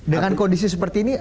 dengan kondisi seperti ini